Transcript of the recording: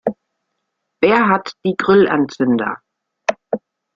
Wer hat die Grillanzünder?